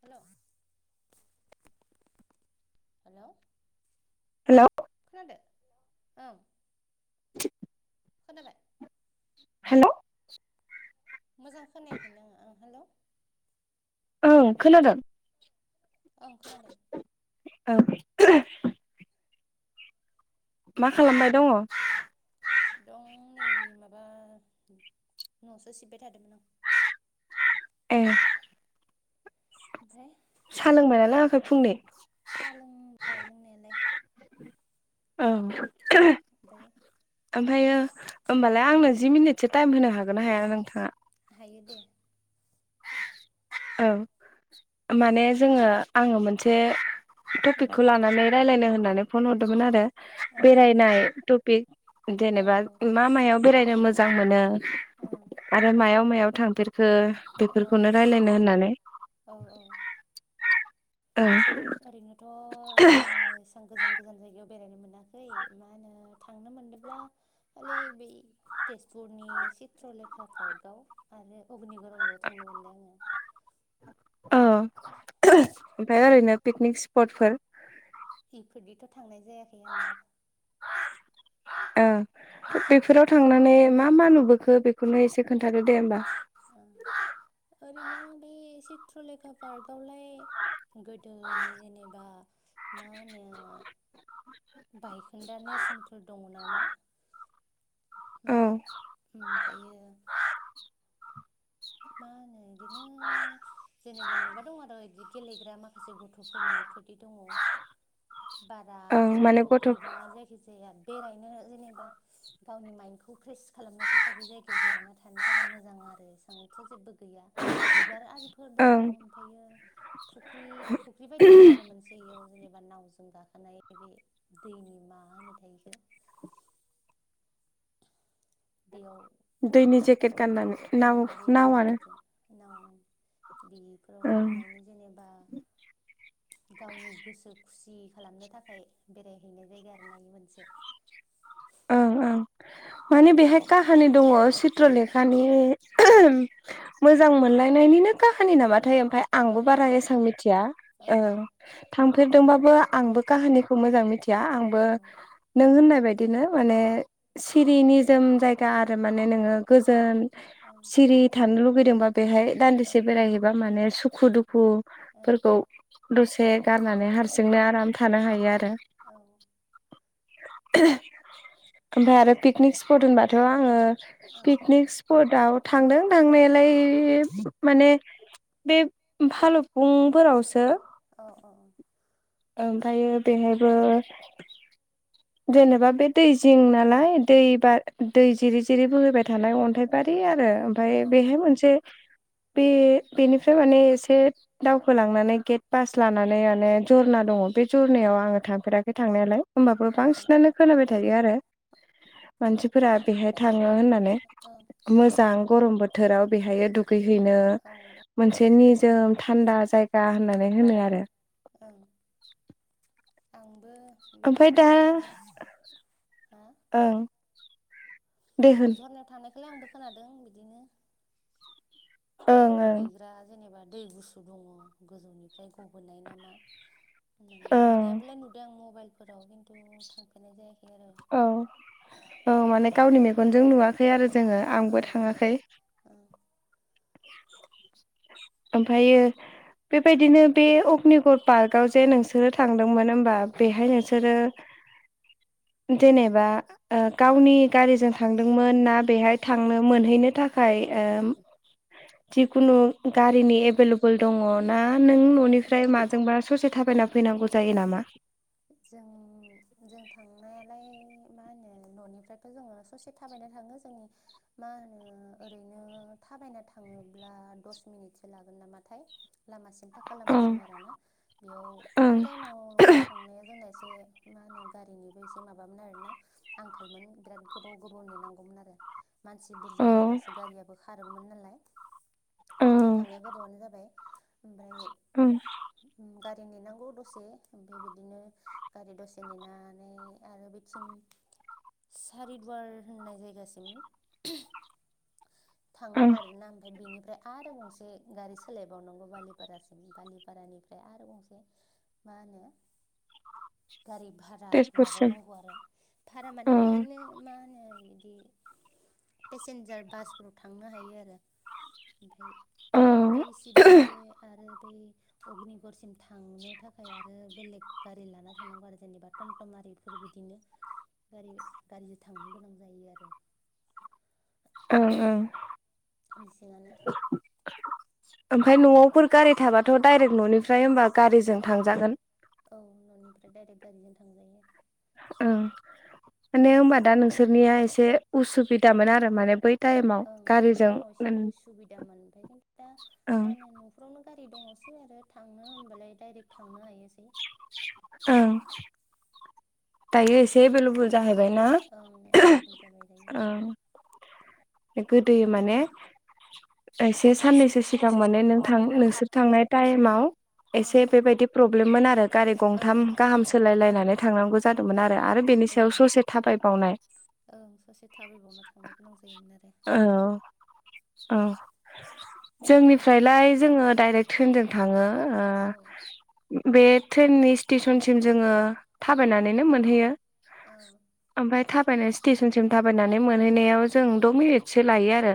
हेल' hello hello खोनादो ओम खोनाबाय? हेल' मोजां खोनायाखैनो आङो आं हेल' औ खोनादों? ओं खोनादों औ मा खालामबाय दङ? दं नै माबा न'सो सिबबाय थादोंमोन आं ए ओमफाय साहा लोंबाय ना लोङाखै‌ फुंनि? साहा लोंबाय लोंनायालाय औ दायो ओमफ्रायो होमबालाय आंनो जि मिनिटसो टाइम होनो हागोन ना हाया नोंथाङा? हायो दे औ माने जोङो आङो मोनसे ओं टपिकखौ लानानै रायलायनो होननानै फन हरदोंमोन आरो ओं बेरायनाय टपिक औ जेनेबा मा मायाव बेरायनो मोजां मोनो ओं आरो मायाव मायाव थांफेरखो औ बेफोरखौनो रायलायनो होननानै औ औ ओं ओरैनोथ' आङो गोजान गोजान जायगायाव बेरायनो मोनाखै मा होनो थांनो मोनदोंब्ला खालि बै तेजपुरनि चित्रलेखा पार्कआव आरो अग्निगर आवल' थांनो मोनदों आङो औ ओमफाय ओरैनो पिकनिक स्पटफोर? बेफोरनिथ' थांनाय जायाखै आङो [inaudible] ओं बेफोराव थांनानै मा मा नुबोखो बेखौनो एसे खोन्थादो दे होमबा ओं ओरैनो बे एसे ट्रलेका पार्कआवलाय गोदोनि जेनेबा मा होनो बायखोन्दा नेरसोनफोर दङ नामा? मा ओं ओमफ्रायो [inaudible] मा होनो बिदिनो जेनेबा माबा दं आरो बिदि गेलेग्रा माख माखासे गथ'फोरनिफोरदि दङ बारा ओं माने जेबोथ' गथ' गैबाङा जायखिजाया बेरायनो जेनेबा गावनि माइडखौ फ्रेस खालामनो थाखाय बे जायगायाव जिरायना थानो थाखाय मोजां आरो थ' जेबो गैया बिबार आरिफोर दङ ओं ओमफ्रायो फुख्रि फुख्रि बायदि दं आरो मोनस से याव जेनेबा नावजों गाखोनाय बे दैनि मा होनो थाय बेखो बेयाव दैनि जेकेट गाननानै औ नाव दैनि नावआनो जेकेटजों नाव ओं बेफोराव ओं गाखोनानै जेनेबा गावनि गोसो खुसि खालामनो थाखाय बेरायहैनाय जायगा आरोना इयो मोनसे ओं ओं माने बेहाय काहानि दङ चित्रलेखानि मोजां मोनलायनायनिनो काहानि नामाथाय ओमफ्राय आंबो बारा ओं एसबां मिथिया ओं थांफेरदोंबाबो आंबो काहानिखौ मोजां मिथिया आंबो औ नों होननाय बायद बिदिनो माने सिरि निजोम जायगा आरो माने नोङो गोजोन सिरि थानो लुुबैदोंबा बेहाय दान्दिसे बेरायहैबा माने सुखु दुखु फोरखौ दसे गारनानै हारसिंनो आराम थानो हायो आरो औ ओमफाय आरो पिकनिक सिपट होनबाथ' आङो पिकनिक स्पटाव थांदों थांनायालाय माने बे फालुफुंफोरावसो अ अ अ ओमफ्रायो बेहायबो जेनेबा बे दै जिं नालाय दै बा दै जिरि जिरि बोहैबाय थानाय अन्थाइ बारि आरो ओमफ्राय बेहाय मोनसे बे बेनिफ्राय माने एसे दावखोलांनानै गेट पास लानानै माने जरना दङ बे जरनायाव आङो थांफेराखै थांनायालाय होमबाबो बांसिनानो खोनाबाय थायो आरो मानसिफोरा बेहाय थाङो होननानै मोजां गरम बोथोराव बेहायो दुगै हैैनो औ मोनसे निजोम थान्दा जाय गा होननांगोन होननानै हो ओं आंबो बे ओमफ्राय दा झरना थांनाय हो औ झरनायाव थांनायखौलाय आंबो खोनादों बिदिनो ओं ओं दुगैग्रा जेनेबा दै गुसु दङ गोजौनिफ्राय गबोनाय नामा होननानै ओं नुनायाबोलाय नुदों आं मबाइलफोराव खिन्थु थांफेरनाय जायाखै आरो औ औ माने गावनि मेगनजों नुवाखै आरो जोङो आंबो थाङाखै औ [unintelligible] ओमफ्रायो बेबायदिनो बे अग्निगर पार्कआव जे नोंसोरो थांदोंमोन होमबा बेहाय ओं नोंसोरो जेनेबा ओ गावनि गारिजों थांदोंमोन ना बेहाय थांनो मोनहैनो थाखाय ओ जिखुनु गारिनि एभेलेबल दङ ना नों ओं औ न'निफ्राय माजोंबा ससे थाबायना फैनांगौ जायो नामा जों जों थांनायालाय मा होनो न'निफ्रायथ' जोंङो ससे थाबायनो थाङो जोंनि मा होनो ओरैनो थाबायना थाङोब्ला दस मिनिटसो लागोन नामाथाय लामासिम फाक्का ओं लामासिम आरोना बेयाव ओं बै टाइमाव थांनाया जोंना एसे मा होनो गारिनिबो एसे माबामोन आरोना आंखालमोन बिराद गोबाव गोबाव नेनांगौमोन आरो मानसि बुरजा ओं जाबासो गारियाबो खारोमोन नालाय जों थांनाया गोबावानो जाबाय ओमफ्राय ओं गारि नेनांगौ दसे बे बिदिनो गारि दसे नेनानै आरो बेथिं सारिदुवार होननाय जायगासिम थांनांगौ ओं आरोना ओमफाय बेनिफ्राय आरो गंसे गारि सोलायबावनांगौ बालिपारासिम बालिपारानिफ्राय आरो गंसे मा होनो गारि भारा तेजपुरसिम लाबावनांगौ आरो। भारा औ माने बिदिनो मा होनो बिदि पेसेन्जार बास फोराव थांनो हायो आरो ओमफाय औ बै सिबां जे आरो बै अग्निगुरसिम थांनो थाखाय आरो बेलेग गारि लाना थानांगौ आरो जेनेबा टमटम आरि फोर बिदिनो गारि गारिजों थांनो गोनां जायो आरो। ओं ओं मेसिंआनो ओमफ्राय न'आवफोर गारि थाबाथ' डायरेक्ट न'निफ्राय होमबा गारिजों औ थांजागोन औ न'निफ्राय डाइरेक्ट गारिजों थांजायो। ओ माने हबा दा नोंसोरनिया एसे उसुबिदामोन आरो माने बै टाइमाव ओं बै गारिजों टाइमाव एसे उसुबिदामोन ओमफ्राय खिन्थु दा ओं मा होनो न फोरावनो गारि दङसै आरो थाङनो होमबालाय दडाइरेक्ट थांनो हायोसै। ओं दायो एसे एभेलेबल जाहैबाय ना ओं एभेलेबल जाबाय दायो ओं गोदोयै माने एसे साननैसो सिगां माने नों थां नोंसोर थांनाय टाइमाव ओं एसे बेबायदि प्रब्लेममोन आरो। गारि गंथाम ओं ओं गाहाम सोलायलायनानै थांनांगौ ओं जादोंमोन आरो आरो बेनि सायाव औ ससे थाबायबावनाय ओं ससे थाबायबावनो थांनो गोनां जायोमोन आरो। औ औ जोंनिफ्रायलाय जोंङो डाइरेक्ट ट्रेनजों थाङो औ बे ट्रेननि स्टेसनसिम जोंङो थाबायनानैनो मोनहैयो। औ ओमफ्राय थाबायनाय स्टेसनसिम थाबायनानै मोनहैनायाव जों द' मिनिटसो लायो आरो।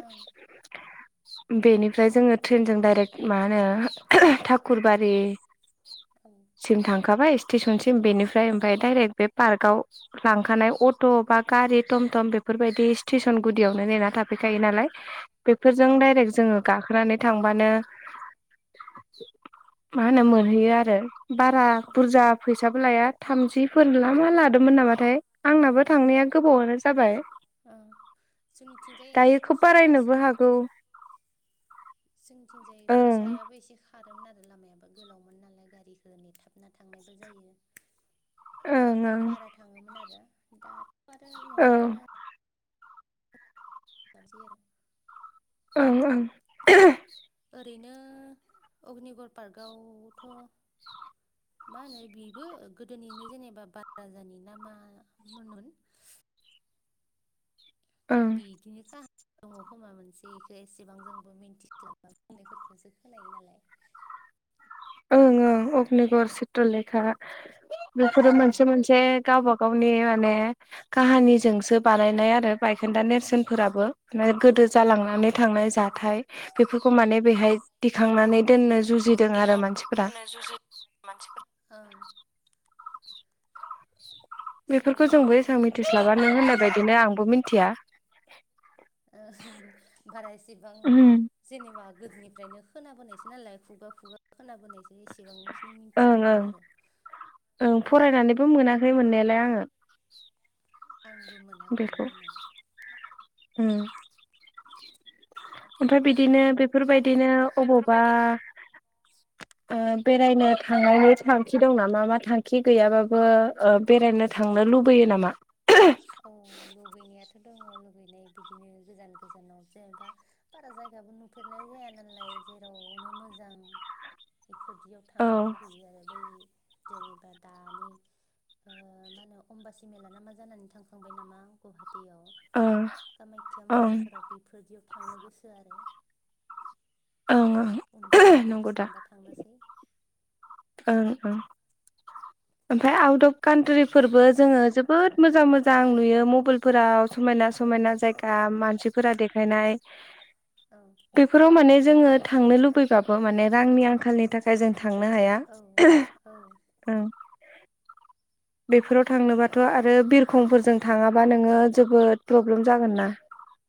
ओं बेनिफ्राय जोंङो ट्रेनजों दडाइरेक्ट मा होनो थाखुरबारि औ सिम थांखाबाय स्टेसनसिम बेनिफ्राय ओं ओमफाय दडाइरेक्ट बे पार्काव लांखानाय अट' बा गारि थम थम बेफोरबायदि सिटिसन गुदियावनो नेना थाफैखायो नालाय बेफोरजों औ डाइरेक्ट जोंङो गाखोनानै थांबानो मा होनो ओं ओं मोनहैयो आरो बारा ओं बुरजा फैसाबो लाया थामजिफोरला मा लादोंमोन नामाथाय आंनाबो ओं थांनाया गोबावानो जाबाय। ओं जोंनिथिंजाय दायो खोब खस्थ' बारायनोबो जासिनो हागौ जोंथिं जाय ओं फैसायाबो एसे खारोमोन आरो लामायाबो गोलावमोन नालाय गारिखौ नेथाबना थांनायबो जायो। ओं एसे ओं बारा थाङोमोन आरो दाथ' आरो औ ओं न'निफ्रायनो सै आरो ओं ओं ओरैनो अग्निगर पार्कआवथ' [inaudible] मा होनो बेबो गोदोनिनो जेनेबा बानराजानि नामा उन मोन अ बिदिनो खा दङ खोमा मोनसे बेखौ एसेबां जोंबो मिन्थिस्लाबबा बुंनायफोरखौसो खोनायो नालाय ओं ओं अग्निगर चित्रलेखा बेफोरो ओं मोनसे मोनसे गाबा गावनि माने काहानिजोंसो बानायनाय आरो बायखोन्दा नेरसोनफोराबो माने‌ गोदो जालांनानै थांनाय ओं जाथाय बेफोरखौ माने बेहाय दिखांनानै दोननो जुजिदों आरो मानसिफोरा गखांनो जुजि मानसिफोर बेफोरखौ सावगारि जोंबो दङ एसेबां मिथिस्लाबा माखासे नों होननाय बादिनो आंबो मिथिया बारायसेबां ओं जेनेबा गोदोनिफ्रायनो खोनाबोनायसो नालाय खुगा खुगा खोनाबोनायजों एसेबांखिनि मिथिजोबा ओं आरो ओहो मोनाखै मोननायालाय आङो आंबो मोनाखै बेखौ मोननाया उम ओमफ्राय बिदिनो ओमफ्राय बि बेफोरबायदिनो अबावबा बेफोरबायदि बेरायनो थांनायनि थांखि दं नामा मा थांखि गैयाबाबो ओ। बेरायनो थांनो लुबैयो नामा? औ लुबैनायाथ' दङ लुबैनाय बिदिनो गोजान गोजानाव जेनेबा बारा जायगाबो नुफेरनाय जाया नालाय जेरावनो मोजां बेफोरदियाव औ थांनो लुुबैयो आरो बै जेनेबा दानि मा ओ होनो अमबासि मेला ना मा जानानै थांखांबाय नामा गुवाहाटीयाव ओं कामाख्या ओं मन्दिरफोराव बेफोरदियाव थांनो गोसो आरो ओं उनफोराव ओं खाबु नंगौ दा मोनबा थांनोसै ओं ओं ओमफ्राय आउट अफ कान्ट्रिफोरबो जोङो जोबोद मोजां मोजां नुयो मबाइल फोराव समायना औ समायना जायगा औ मानसिफोरा देखायनाय औ बेफोराव माने जोङो थांनो लुबैबाबो माने रांनि आंखालनि थाखाय जों थांनो हाया। औ औ औ बेफोराव थांनोबाथ' आरो बिरखंफोरजों थाङाबा नोङो जोबोद प्रब्लेम जागोन ना? [inaudible]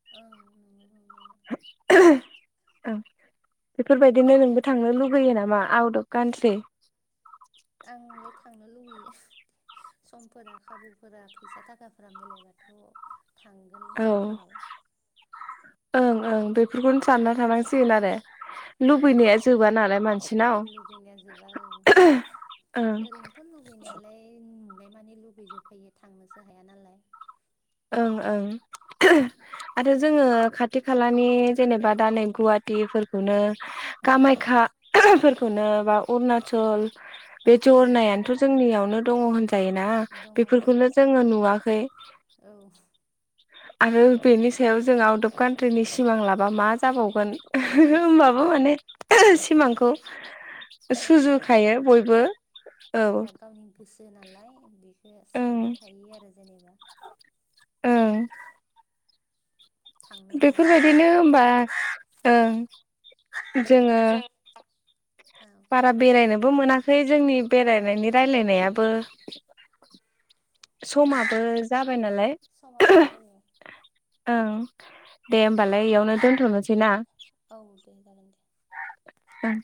औ [inaudible] बेफोरबायदिनो नोंबो थांनो लुगैयो नामा आउट अफ कान्ट्रि? आं थांनो लुबैयो समफोरा खाबुफोरा फैसा थाखाफोरा मिलायबाथ'! थांगोन। औ उनफोराव ओं ओं बेफोरखौनो सानना थानांसिगोन आरो। ओं लुबैनाया जोबा नालाय मानसिनाव लुबैनाया थ' लुगैनायालाय नुनाय मानि लुगैजोबखायो थांनोसो हाया नालाय। ओं ओं आरो जोङो खाथि खालानि जेनेबा दा नै गुवाहाटि नो ओं कामाख्या फोरखौनो बा अरुणाचल बे ओं जरनायानोथ' जोंनियावनो दङ होनजायोना दङ ओं बेफोरखौनो जोङो नुवाखै औ। आरो बेनि सायाव जों आउट अफ कान्ट्रिनि सिमां लाबा मा जाबावगोन। माबा माने सिमांखौ ओं सुजुखायो मोनसे बयबो औ। जेनेबा गावनि गोसो नालाय बेखो सानना ओं थायो आरो जेनेबा ओं। थांनो मोनाबाबो बेफोरबायदिनो हबा ओं जोङो जों औ। बारा बेरायनोबो मोनाखै जोंनि बेरायनायनि रायलायनायाबो उम समाबो जाबाय नालाय समाबो जाबाय औ ओं दे होमबालाय बेयावनो दोनथ'नोसै ना। औ दे जागोन दे। ओं।